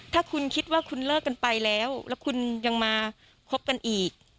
ถ้าคุณคิดว่าคุณเลิกกันไปแล้วแล้วคุณยังมาคบกันอีก